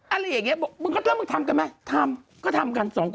อะไรอย่างนี้บอกมึงก็แล้วมึงทำกันไหมทำก็ทำกันสองคน